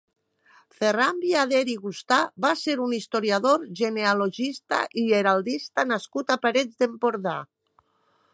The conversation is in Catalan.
Ferran Viader i Gustà va ser un historiador, genealogista i heraldista nascut a Parets d'Empordà.